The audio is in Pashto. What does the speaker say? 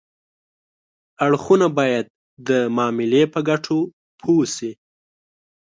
اړخونه باید د معاملې په ګټو پوه شي